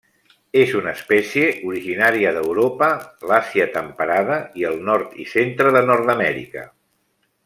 És una espècie originària d'Europa, l'Àsia temperada i el nord i centre de Nord-amèrica.